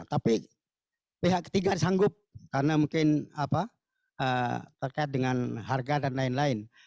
tapi pihak ketiga sanggup karena mungkin terkait dengan harga dan lain lain